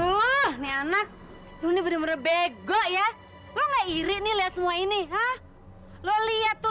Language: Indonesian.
luah nih anak lu ini bener bener bego ya lu ngasih ini lihat semua ini hah lo lihat tuh